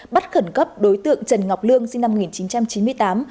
bắt khẩn cấp đối tượng trần ngọc lương sinh năm một nghìn chín trăm chín mươi tám